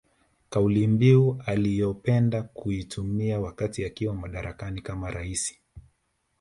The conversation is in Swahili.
Kaulimbiu aliyopenda kuitumia wakati akiwa madarakani kama raisi